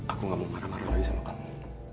aku gak mau marah marah lagi sama kamu